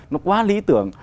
nó quá lý tưởng